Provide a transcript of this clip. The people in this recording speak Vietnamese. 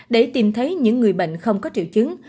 để tìm thấy những người bệnh không có triệu chứng